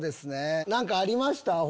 何かありました？